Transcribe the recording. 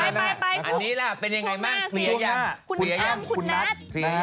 อันนี้เป็นอย่างไรบ้างช่วงหน้าเคลียร์อย่าง